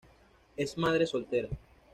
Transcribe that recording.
Es madre soltera.